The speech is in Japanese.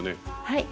はい。